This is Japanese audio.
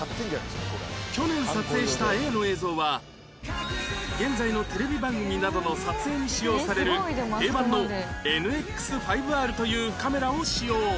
去年撮影した Ａ の映像は現在のテレビ番組などの撮影に使用される定番の ＮＸ５Ｒ というカメラを使用